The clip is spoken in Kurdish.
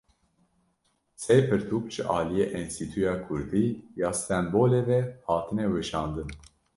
Sê pirtûk ji aliyê Enstîtuya Kurdî ya Stenbolê ve hatine weşandin.